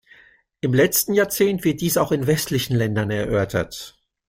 Im letzten Jahrzehnt wird dies auch in westlichen Ländern erörtert.